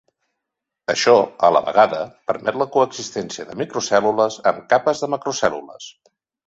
Això, a la vegada, permet la coexistència de microcèl·lules amb capes de macrocél·lules.